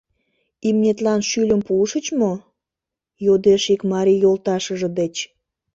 — Имнетлан шӱльым пуышыч мо? — йодеш ик марий йолташыже деч.